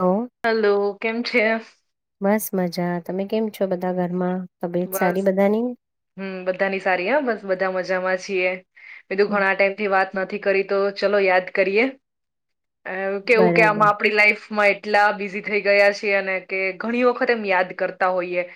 તો. હલો કેમ છે? બસ મજા, તમે કેમ છો બધા ઘરમાં? તબિયત બસ સારી બધાની હમ બધાની સારી હ બસ બધા મજામાં છીએ. કીધું ઘણા આ ટાઈમથી વાત નથી કરી તો ચલો યાદ કરીએ. કેવું કે આમ બરાબર આપણી લાઈફ માં એટલા બિઝી થઈ ગયા છી, અને કે ઘણી વખત એમ યાદ કરતા હોઈએ.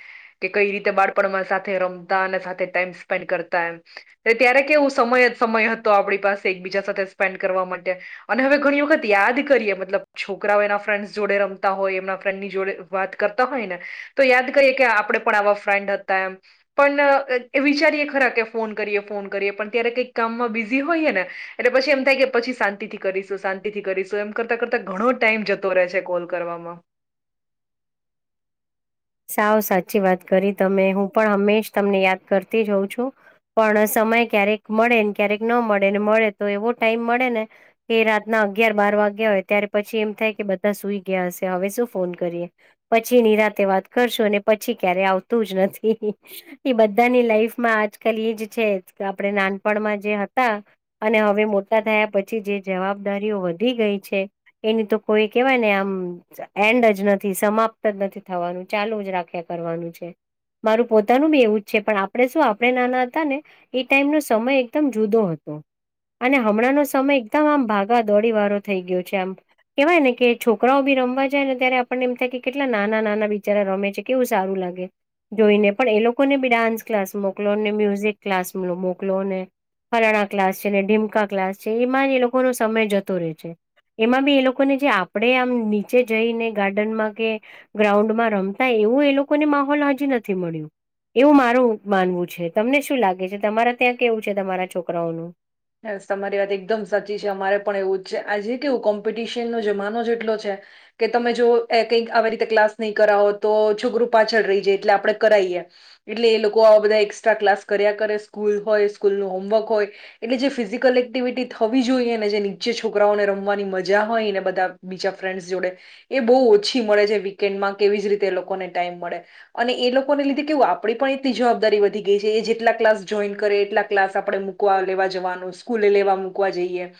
કે કઈ રીતે બાળપણમાં સાથે રમતા અને સાથે ટાઈમ સ્પેન્ડ કરતા એમ. એટલે ત્યારે કેવું સમય સમય હતો આપણી પાસે એકબીજા સાથે સ્પેન્ડ કરવા માટે. અને હવે ઘણી વખત યાદ કરીએ, મતલબ છોકરાઓ એના ફ્રેન્ડસ જોડે રમતા હોય એમના ફ્રેન્ડની જોડે. વાત કરતા હોય ને તો યાદ કરીએ કે આપડણે પણ આવા ફ્રેન્ડ હતા એમ. પણ વિચારીએ ખરા કે ફોન કરીએ, ફોન કરીએ પણ ત્યારે કઈક કામમાં બિઝી હોઈએ ને એટલે પછી એમ થાય કે પછી શાંતિથી કરીશું શાંતિથી કરીશું એમ કરતા કરતા ઘણો ટાઈમ જતો રહે છે કોલ કરવામાં. સાવ સાચી વાત કરી તમે હું પણ હંમેશ તમને યાદ કરતી હોઉં છું. પણ સમય ક્યારેક મળે ને ક્યારેક ન મળે ને મળે તો એવો ટાઈમ મળે ને કે રાતના અગિયાર બાર વાગ્યા હોય ત્યારે પછી એમ થાય કે બધા સુઈ ગયા હશે હવે શું ફોન કરીએ. પછી નિનીરાતે વાત કરશું અને પછી ક્યારે આવતું જ નથી. એ બધાની લાઈફમાં આજકાલ એજ છે, આપડે નાનપણમાં જે હતા. અને હવે મોટા થયા પછી જે જવાબદારીઓ વધી ગઈ છે. એની તો કોઈ કેવાય ને આમ એન્ડ જ નથી. સમાપ્ત જ નથી થવાનું. ચાલુ જ રાખ્યા કરવાનું છે, મારું પોતાનું બી એવું જ છે પણ આપણે શું આપણે નાના હતા ને એ ટાઈમનો સમય એકદમ જુદો હતો. અને હમણાંનો સમય એકદમ આમ ભાગા દોડી વારો થઈ ગયો છે આમ. કેવાય ને કે છોકરાઓ બી રમવા જાય ને ત્યારે આપણને એમ થાય કે કેટલા નાના નાના બી જ્યારે રમે છે, કેવું સારું લાગે જોઈ ને પણ એ લોકોને બી ડાન્સ ક્લાસ મોકલો ને મ્યુઝિક ક્લાસ મોકલોને. ફલણા ક્લાસ છે, ને ઢીમકા ક્લાસ છે એમાં એ લોકોનો સમય જતો રહે છે. એમાં બી એ લોકોને જે આપણેે આમ નીચે જઈને ગાર્ડનમાં કે ગ્રાઉન્ડમાં. રમતા એવું એ લોકોને માહોલ હજી નથી મળ્યું. એવું મારું માનવું છે તમને શું લાગે છે? તમારા ત્યાં કેવું છે તમારા છોકરાઓનું બસ તમારી વાત એકદમ સાચી છે, અમારે પણ એવું જ છે આ જે કેવું કં પીટીશન નો જમાનો જેટલો છે. કે તમે જો કંઈક આવી રીતે ક્લાસ નહીં કરાવો તો છોકરું પાછળ રહી જાય એટલે આપડણે કરાઈએ. એટલે એ લોકો આવા બધા એસ્ટ્રા ક્લાસ કર્યા કરે સ્કૂલ હોય સ્કૂલ નું હોમવર્ક હોય. એટલે જે ફિઝિકલ એક્ટિવિટી થવી જોઈએ અને જે નીચે છોકરાઓને રમવાની મજા હોય ને બધા. બીજા ફ્રેન્ડ્સ જોડે એ બહુ ઓછી મળે છે, વીકેન્ડમાં કેવી જ રીતે એ લોકોને ટાઈમ મળે. અને એ લોકોને લીધે કેવું આપણી પણ એટલી જવાબદારી વધી ગઈ છે એ જેટલા ક્લાસ જોઈન કરે એટલા ક્લાસ આપણેે મુકવા. લેવા જવાનું સ્કૂલે લેવા મૂકવા જઈએ.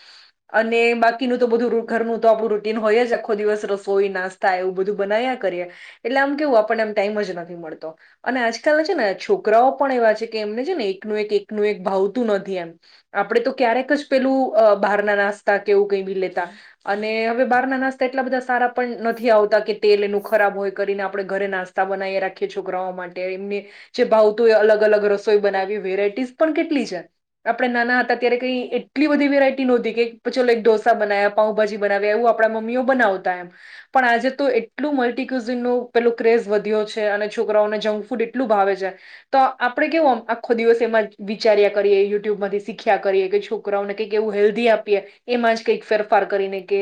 અને બાકીનું તો બધું ઘરનું તો આપણું રૂટીન હોય જ આખો દિવસ રસોઈ નાસ થાય એવું બધું બનાવ્યા કરીએ એટલે આમ કેવું આપણને એમ ટાઈમ જ નથી મળતો. અને આજકાલ છે ને છોકરાઓ પણ એવા છે કે એમને છે ને એકનું એક એકનું એક ભાવતું નથી એમ. આપડણે તો ક્યારેક જ પેલું બહાર ના નાસ્તા કેવું કઈ ભી લેતા. અને હવે બાર ના નાસ્તા એટલા બધા સારા પણ નથી આવતા કે તેલનું ખરાબ હોય કરીને આપણેે ઘરે નાસ્તા બનાવી રાખીએ છોકરાઓ માટે એમને. જે ભાવ તો એ અલગ અલગ રસોઈ બનાવી વેરાયટીસ પણ કેટલી છે. આપડે નાના હતા ત્યારે કઈ એટલી બધી વેરાયટી નહોતી કે ચો ડોસા બનાયા, પાઉભાજી બનાવે એવું આપણા મમ્મીઓ બનાવતા એમ. પણ આજે તો એટલું મલ્ટ કુઝિન ન પેલોું ક્રેઝ વધ્યો છે અને છોકરાઓને જંક ફૂડ એટલું ભાવે છે. તો આપડે કેવુ આખો દિવસ એમાં વિચાર્યા કરીએ યુ [unintelligible] માંથી શીખ્યા કરીએ કે છોકરાઓને કઈક એવું હેલ્ધી આપીએ એમાં જ કંઈક ફેરફાર કરીને કે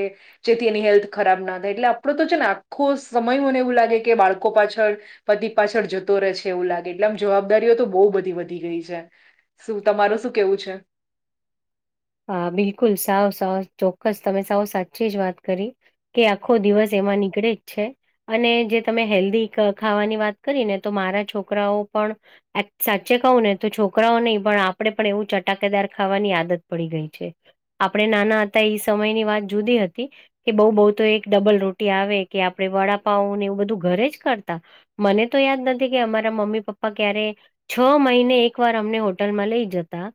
જેથી એની હેલ્થ ખરાબ ના થાય એટલે આપણો તો છે ને આખો સમય મને એવું લાગે કે બાળકો પાછળ [unintelligible] પાછળ જતો રહે છે એવું લાગે એટલે આમ જવાબદારીઓ તો બહુ બધી વધી ગઈ છે શું તમાર શું કેવું છે [unintelligible] બિલકુલ સાવ સાવ ચોક્કસ તમે સાવ સાચી જ વાત કરી કે આખો દિવસ એમાં નીકળે જ છે અને જે તમે હેલ્ધી ખાવાની વાત કરી ને તો મારા છોકરાઓ પણ [unintelligible] સાચે કહું ને તો છોકરાઓ [unintelligible] પણ આપણેે પણ એવું ચટાકેદાર ખાવાની આદત [unintelligible] છે આપણે નાના હતા એ સમયની વાત જુદી હતી [unintelligible] બહુ તો એક ડબલ રોટી આવે કે આપડે વડાપાઓને એવું બધું ઘરે જ કરતા મને તો યાદ નથી કે અમારા મમ્મી પપ્પા ક્યારે છ મહિને એક વાર અમને હોટલમાં લઈ જતા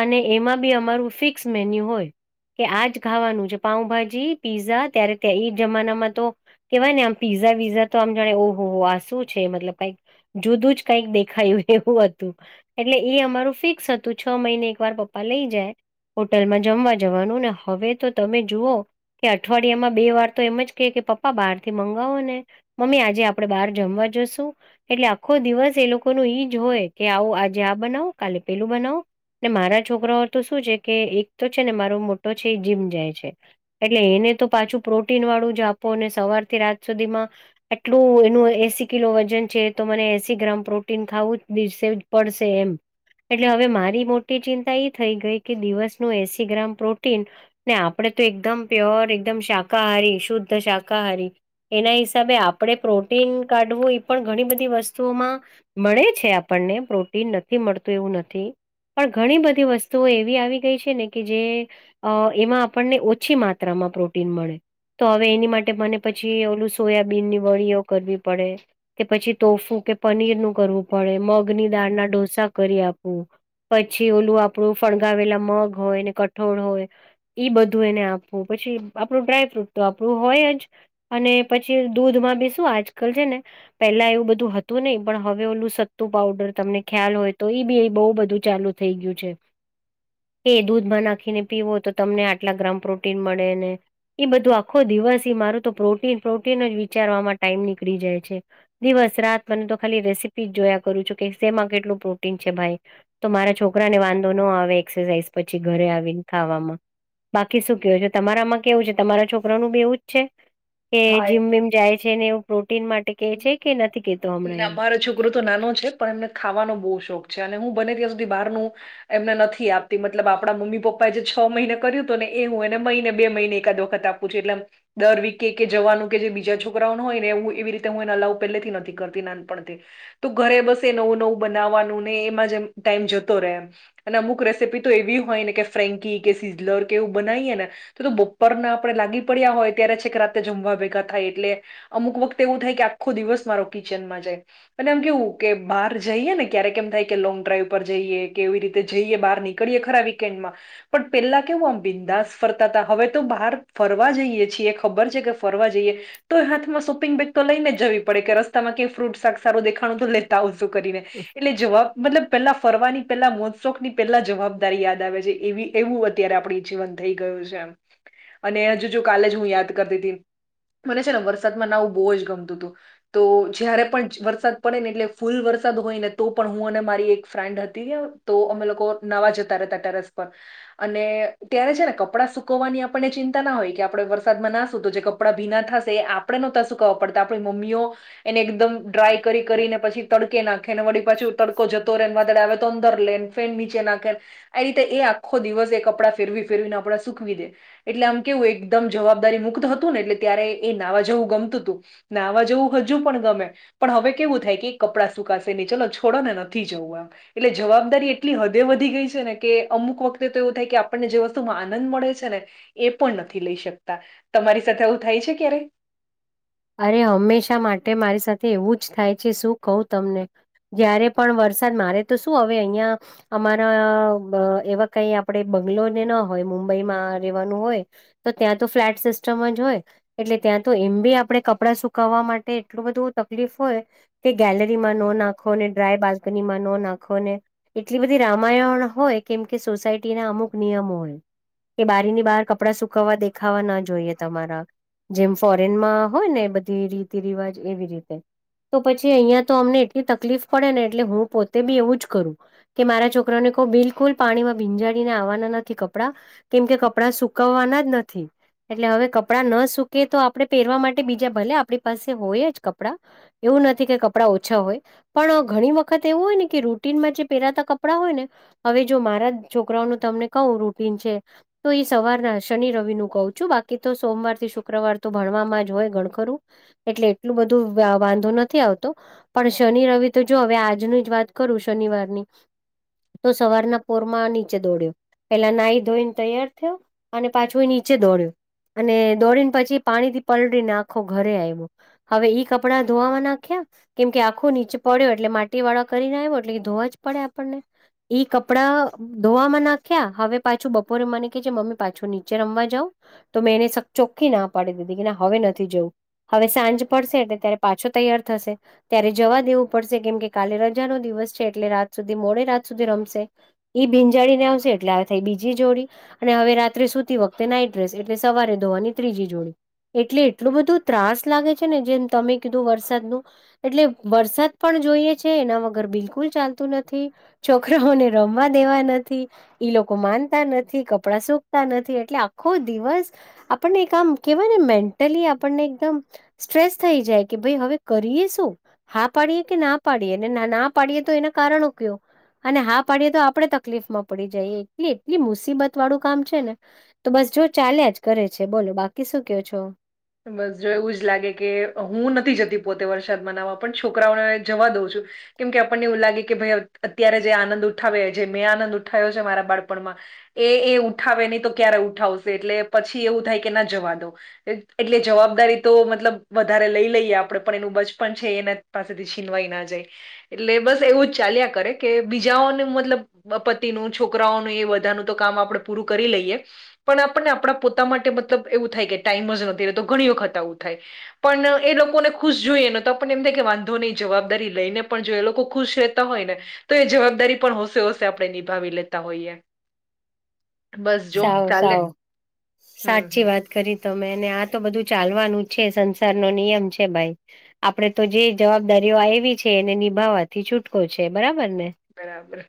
અને એમા [unintelligible] ફિક્સ મેન્યુ હોય કે આજ ખાવાનું છે પાઉભાજી પીઝા ત્યારે [unintelligible] જમાનામાં તો કેવાય ને આમ પીઝા [unintelligible] તો આમ જાણે ઓહો હો આ શું છે મતલબ કઈક [unintelligible] કઈક દેખાયું એવું હતું એટલે એ અમારું ફિક્સ હતું છ મહિને એક વાર પપ્પા લઈ જાય હોટલમાં જમવા જવાનું ને હવે તો તમે જુઓ કે અઠવાડિયામાં બે વાર તો એમ જ [unintelligible] કે પપ્પા બહારથી મંગાવો ને મમ્મી આજે [unintelligible] બહાર જમવા જશું એટલે આખો દિવસ એ લોકો ન [unintelligible] [inaudible] આવું આજે આ બનાવો કાલે પેલું બનાવો ને મારા છોકરાઓ તો શું છે કે એક તો છે ને મારો મોટો છે એ જીમ જાય છે એટલે એને તો પાછું પ્રોટીન વાળું જ [unintelligible] ને સવારથી રાત સુધીમાં આટલું એનું એસી કિલો વજન છે તો મને એસી ગ્રામ પ્રોટીન ખાવું જ [unintelligible] પડશે એમ એટલે હવે મારી મોટી ચિંતા એ થઈ ગઈ કે દિવસ નું એસી ગ્રામ પ્રોટીન ને આપડે તો એકદમ પ્યોર એકદમ શાકાહારી શુદ્ધ શાકાહારી એના હિસાબે આપણે પ્રોટીન કાઢવું એ પણ ઘણી બધી વસ્તુઓમાં મળે છે આપણને પ્રોટીન નથી મળતું એવું નથી પણ ઘણી બધી વસ્તુઓ એવી આવી ગઈ છે ને કે જે એમાં આપણને ઓછી માત્રામાં પ્રોટીન મળે તો હવે એની માટે મને પછી ઓલું સોયાબીનની વળીઓ કરવી પડે કે પછી તોફું કે પનીર નું કરવું પડે મગની દાળના ઢોસા કરી આપવું પછી ઓલું આપણું ફણગાવેલા મગ હોય ને કઠોળ હોય ઈ બધું એને આપવું પછી આપણું ડ્રાયફ્રૂટ તો આપણું હોય જ અને પછી દૂધમાં બી શું આજકાલ છે ને પેલા એવું બધું હતું નહી પણ હવે ઓલું સત્તું પાવડર તમને ખ્યાલ હોય તો એ બી બહુ બધું ચાલુ થઈ ગયું છે [unintelligible] દૂધમાં નાખીને પીવો તો તમને આટલા ગ્રામ પ્રોટીન મળે ને ઇ બધું આખો દિવસ‌ ઇ મારું તો પ્રોટીન પ્રોટીન જ વિચારવામાં ટાઈમ નીકળી જાય છે. દિવસ રાત મન તો ખાલી રેસીપી જ જોયા કરું છું કે સેમાં કેટલું પ્રોટીન છે ભાઈ. તો મારા છોકરા ને વાંધો ન આવે એક્સરસાાઈઝ પછી ઘરે આવીને ખાવામાં બાકી શું કેવું છે તમારામાં કેવું છે તમારા છોકરાનું એઉજ છે. કે હા એ જીમ [unintelligible] જાય છે ને એવું પ્રોટીન માટે કેહે છે કે નથી કેતો હમણાં ના એ મારો છોકરો તો નાનો છે પણ એમને ખાવાનો બહુ શોખ છે અને હું બને ત્યાં સુધી બહાર નું એમને નથી આપતી મતલબ આપણા મમ્મી પપ્પા એ જે છ મહિને કર્યું હતું ને એ હું એને મહિને બે મહિને એકાદ વખત આપ એટ દર વિક કે જવાનું કે જે બીજા છોકરાઓ ન હોય નેવું [unintelligible] [inaudible] હું એ [inaudible] પેલેથી નથી કરતી નાનપણથી તો ઘરે બસ એ નવું નવું બનાવવાનું ને એમાં જેમ ટાઈમ જતો રહે એમ અને અમુક રેસીપી તો એવી હોય ને કે ફ્રેન્કી કે સિઝલર કે એવું બનાઇ એને. તો તો બપરના આપડણે લાગી પડ્યા હોય ત્યારે છેક રાતે જમવા ભેગા થાય એટલે અમુક વખત તેવું થાય કે આખો દિવસ મારો કિચનમાં જાય. અને એમ કેવું કે બહાર જઈએ ને ક્યારેક એમ થાય કે લોંગ ડ્રાઈવ પર જઈએ કે એવી રીતે જઈએ બહાર ની. ની ખડીએ ખરા વીકેન્ડ માં. પણ પેલા કેવું આમ બિંદાસ ફરતા હતા હવે તો બહાર ફરવા જઈએ છીએ ખબર છે કે ફરવા જઈએ. તો હાથમાં શોપિંગ બેગ તો લઈને જવી પડે કે રસ્તામાં કંઈ ફ્રૂટ શાક સારું દેખાણું તો લે. તા હો શું કરીને એટલે જવાબ મતલબ પેલા ફરવાની પેલા મો. શોકની પેલા જવાબદારી યાદ આવે છે એવી એવું અત્યારે આપણી જીવન થઈ ગયું છે એમ. અને હજુ જો કાલે જ હું યાદ કરતી હતી મને છે ને વરસાદમાં નાવું બહુ જ ગમતું હતું. તો જયારે પણ વરસાદ પડે ને એટલે ફૂલ વરસાદ હોય ને તો પણ હું અને મારી એક ફ્રેન્ડ હતી. તો અમે લોકો નાવા જતા રહેતા ટેરેસ પર અને ત્યારે છે ને કપડાં સુકવવાની આપણને ચિંતા ના હોય કે આપડે વરસાદમાં નાશું તો જે કપડાં ભીના થશે આપણે નો તો શું કાવા પડતા આપણી મમ્મીઓ એને. દમ ડ્રાય કરી કરી ને પછી તડકે નાખે ને વળી પાછી તડકો જતો રહે એને વાદળ આવે. તો અંદર લેન ફેન નીચે નાખે. આ રીતે એ આખો દિવસે એ કપડાં ફેરવી ફેરવીને આપડા સુખવી દે. એટલે આમ કેવું એકદમ જવાબદારી મુક્ત હતું ને એટલે ત્યારે એ નાવા જવું ગમતું હતું. નાવા જવું હજુ પણ ગમે. પણ હવે કેવું થાય કે એક કપડાં સુકાશે નહી ચલો છોડો ને નથી જવું આમ. એટલે જવાબદારી એટલી હદે વધી ગઈ છે ને કે અમુક વખતે તો એવું થાય કે આપણને જે વસ્તુમાં આનંદ મળે છે ને. એ પણ નથી લઈ શકતા તમારી સાથે આવું થાય છે ક્યારે‌. અરે હંમેશા માટે મારી સાથે એવું જ થાય છે શું કહું તમને. જયારે પણ વરસાદ મારે તો શું હવે અહિયાં. અમારા બ એવા કઈ આપણે બંગ્લો ને ના હોય મુંબઈમાં રહેેવાનું હોય. તો ત્યાં તો ફ્લેટ સિસ્ટમ જ હોય એટલે ત્યાં તો એમ બી આપણે કપડાં સુકાવવા માટે એટલું બધું તકલીફ હોય એ ગેલેરીમાં નો નાખો ને ડ્રાય બાલ્કની માં ન નાખો ને. એટલી બધી રામાયણ હોય કેમ કે સોસાયટીના અમુક નિયમ હોય. કે બારી ની બહાર કપડાં સુકવવા દેખાવા ના જોઈએ તમારા જેમ ફોરેનમાં હોય ને બધી રીતિ રિવાજ એવી રીતે. તો પછી અહીંયા તો અમને એટલી તકલીફ પડે ને એટલે હું પોતે બી એવું જ કરું. કે મારા છોકરાને કોઈ બિલકુલ પાણીમાં ભીંજાડીને આવવાના નથી કપડાં કેમ કે કપડા સુકવવાના જ નથી એટલે હવે કપડા ન સુૂકે તો આપણે પહેરવા માટે બીજા ભલે આપણી પાસે હોય જ કપડાં એવું નથી કે કપડા ઓછા હોય. પણ ઘણી વખત એવું હોય ને કે રૂટનમાં જે પહેરાતા કપડાં હોય ને. હવે જો મારા છોકરાઓનું તમને કવું રૂટીન છે. તો એ સવારના શનિ રવિ નું કહું છું બાકી તો સોમવાર થી શુક્રવાર તો ભણવામાં જ હોય. ગળખરુ એટલે એટલું બધું વ વાંધો નથી આવતો. પણ શનિ રવિ તો જો હવે આજની જ વાત કરું શનિ વારની. તો સવારના પોરમાં નીચે દોડ્યો. પેલા નાઈ ધોઈન તૈયાર થયો અને પાછો નીચે દોડ્યો અને દોડીને પછી પાણી થી પલળીને આખો ઘરે આયવો હવે ઈ કપડા ધોવામાં નાખ્યા કેમ કે આખો નીચે પડ્યો એટલે માટી વાળા કરીને આવ્યો એટલે ધોવા જ પડે આપણને ઇ કપડાં ધોવામાં નાખ્યા હવે પાછું બપોરે મને કે છે મમ્મી પાછું નીચે રમવા જાવ. તો મેં એને સ ચોખ્ખી ના પાડી દીધી કે ના હવે. નથી જવું હવે સાંજ પડશે એટલે ત્યારે પાછો તૈયાર થશે. ત્યારે જવા દેવું પડશે કેમ કે કાલે રજા નો દિવસ છે એટલે રાત સુધી મોડે રાત સુધી રમશે. ઈ ભીંજાળી ને આવશે એટલે આવે થાય બીજી જોડી. અને હવે રાત્રે સુતી વખતે નાઈટ રેસ એટલે સવારે ધોવાની ત્રીજી જોડી એટલે એટલું બધું ત્રાસ લાગે છે ને જેમ તમે કીધું વરસાદનું એટલે વરસાદ પણ જોઈએ છે એના વગર બિલકુલ ચાલતું નથી. છોકરાઓને રમવા દેવા નથી. ઈ લોકો માનતા નથી, કપડા સુકતા નથી એટલે આખો દિવસ આપણને એ કામ કેવા ને મેન ટલી આપણને એકદમ સ્ટ્રેસ થઈ જાય કે ભઈ હવે કરીએ શું હા પાડીએ કે ના પાડીએ અને ના પાડીએ તો એના કારણો ક્યો અને હા પાડીએ તો આપડે તકલીફ માં પડી જઈ એટલી એટલી મુસીબત વાળું કામ છે ને. તો બસ જો ચાલ્યા જ કરે છે બોલો બાકી શું ક્યો છો? બસ જો એવું જ લાગે કે હું નથી જતી પોતે વરસાદ માં નાવા પણ છોકરાઓને જવા દઉં છું કેમ કે આપણને એવું લાગે કે ભાઈ અત્યારે જે આનંદ ઉઠાવે જે મેં આનંદ ઉઠાવ્યો છે મારા બાળપણમા એ એ ઉઠાવે નહી તો ક્યારે ઉઠાવશે એટલે પછી એવું થાય કે ના જવા દઉં એટલે જવાબદારી તો મતલબ વધારે લઈ લઈએ આપડે પણ એનું બચપન છે એના પાસેથી છીનવાઈ ના જાય એટલે બસ એવુંજ ચાલ્યા કરે કે બીજાઓને મતલબ પતિનું છોકરાઓનું એ બધાનું તો કામ આપડે પૂરું કરી લઈએ પણ આપણને આપડા પોતા માટે મતલબ એવું થાય કે ટાઈમજ નથી રહેતો ઘણી વખત આવું થાય પણ એ લોકોને ખુશ જોઈએ એનો તો આપણને એમ થાય કે વાંધો નહી જવાબદારી લઈને પણ જોઈએ એ લોકો ખુશ રે તા હોય ને તો એ જવાબદારી પણ હોશે હોશે આપડે નિભાવી લેતા હોઈએ. બસ જો સાવ ચાલે સાવ હમ્મ. સાચી વાત કરી તો મેંને આ તો બધું ચાલવાનું છે સંસાર નો નિયમ છે ભાઈ. આપડે તો જે જવાબદારીઓ આયવી છે એને નિભાવવાથી છૂટકો છે બરાબર ને. બરાબર.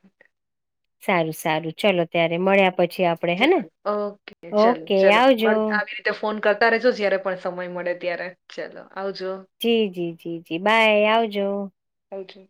સારું સારું ચલો ત્યારે મળ્યા પછી આપ ઓ ચલ ચલો આવજો મળ આવી રિ તે ફોન કરતા રેજો જ્યારે પણ સમય મળે ત્યારે ચલો આવજો. જી જી જી જી બાય આવજો. આવજો.